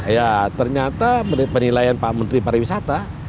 ya ternyata penilaian pak menteri para wisata